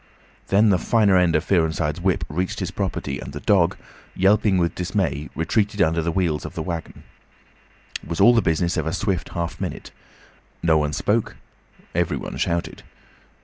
Then the finer end of Fearenside's whip reached his property, and the dog, yelping with dismay, retreated under the wheels of the waggon. It was all the business of a swift half minute. No one spoke, everyone shouted.